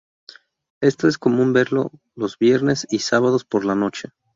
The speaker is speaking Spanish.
Esto es común verlo los viernes y sábados por la noche.